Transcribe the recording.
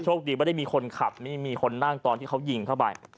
คดีไม่ได้มีคนขับไม่มีคนนั่งตอนที่เขายิงเข้าไป